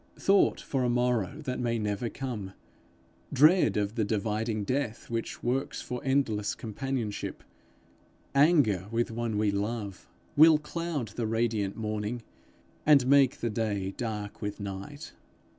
Thought for a morrow that may never come, dread of the dividing death which works for endless companionship, anger with one we love, will cloud the radiant morning, and make the day dark with night.